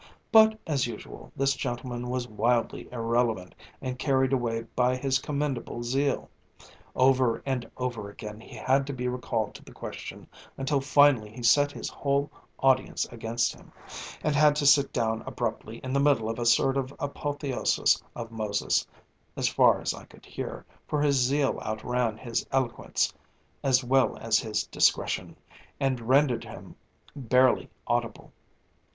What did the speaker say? But, as usual, this gentleman was wildly irrelevant and carried away by his commendable zeal. Over and over again he had to be recalled to the question, until finally he set his whole audience against him, and had to sit down abruptly in the middle of a sort of apotheosis of Moses as far as I could hear, for his zeal outran his eloquence as well as his discretion, and rendered him barely audible.